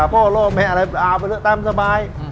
พ่อโล่แม่อะไรเอาไปเลยตามสบาย